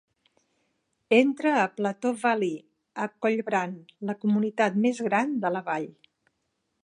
Entra a Plateau Valley a Collbran, la comunitat més gran de la vall.